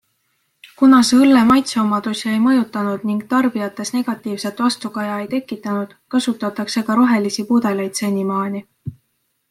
Kuna see õlle maitseomadusi ei mõjutanud ning tarbijates negatiivset vastukaja ei tekitanud, kasutatakse ka rohelisi pudeleid senimaani.